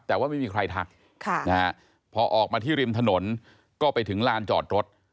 แต่ว่าไม่มีใครทักพอออกมาที่ริมถนนก็ไปถึงลานจอดรถ